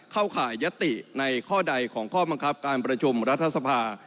ข่ายยติในข้อใดของข้อบังคับการประชุมรัฐสภา